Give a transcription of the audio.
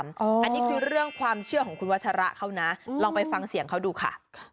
อันนี้คือเรื่องความเชื่อของคุณวัชระเขานะลองไปฟังเสียงเขาดูค่ะ